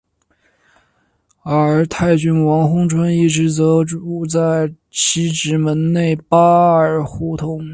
而泰郡王弘春一支则住在西直门内扒儿胡同。